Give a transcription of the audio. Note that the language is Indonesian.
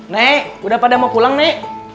nek udah pada mau pulang nek